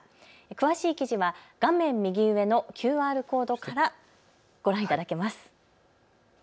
詳しい記事は画面右上のＱＲコードからご覧いただけます。